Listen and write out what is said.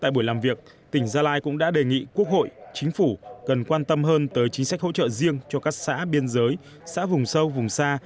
tại buổi làm việc tỉnh gia lai cũng đã đề nghị quốc hội chính phủ cần quan tâm hơn tới chính sách hỗ trợ riêng cho các xã biên giới xã vùng sâu vùng xa